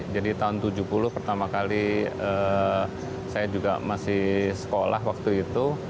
jadi tahun tujuh puluh pertama kali saya juga masih sekolah waktu itu